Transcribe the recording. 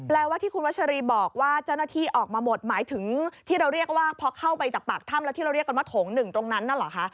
แล้วว่าที่คุณวัชรีบอกว่าเจ้าหน้าที่ออกมาหมดหมายถึงที่เราเรียกว่าพอเข้าไปจากปากถ้ำแล้วที่เราเรียกกันว่าโถงหนึ่งตรงนั้นน่ะเหรอคะ